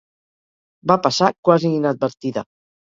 Va passar quasi inadvertida.